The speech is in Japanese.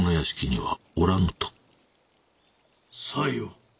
・さよう。